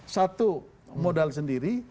satu modal sendiri